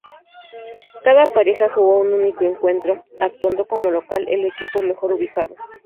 Cada pareja jugó un único encuentro, actuando como local el equipo mejor ubicado.